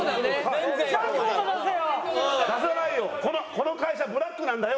この会社ブラックなんだよ